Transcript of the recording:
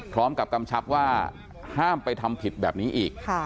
พร้อมกับกำชับว่าห้ามไปทำผิดแบบนี้อีก